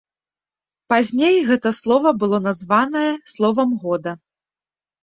Пазней гэта слова было названае словам года.